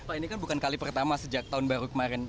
pak ini kan bukan kali pertama sejak tahun baru kemarin